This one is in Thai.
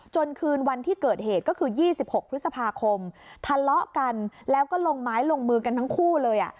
คืนวันที่เกิดเหตุก็คือ๒๖พฤษภาคมทะเลาะกันแล้วก็ลงไม้ลงมือกันทั้งคู่เลย